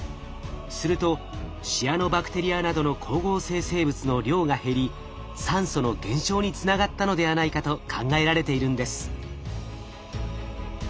するとシアノバクテリアなどの光合成生物の量が減り酸素の減少につながったのではないかと考えられているんです。